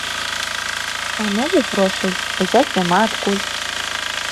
А новых грошай узяць няма адкуль.